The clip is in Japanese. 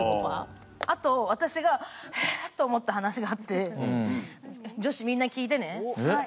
あと私がええっと思った話があって、女子みんな聞いてね。